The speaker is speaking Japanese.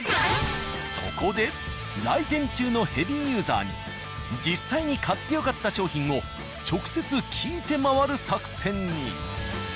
そこで来店中のヘビーユーザーに実際に買ってよかった商品を直接聞いて回る作戦に。